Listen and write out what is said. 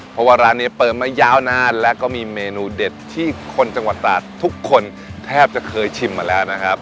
เพราะว่าร้านนี้เปิดมายาวนานและก็มีเมนูเด็ดที่คนจังหวัดตราดทุกคนแทบจะเคยชิมมาแล้วนะครับ